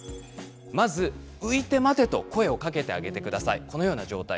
浮いて待てと声をかけてあげてください。